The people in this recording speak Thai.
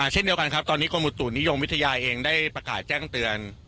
เช่นเดียวกันครับตอนนี้กรมอุตุนิยมวิทยาเองได้ประกาศแจ้งเตือน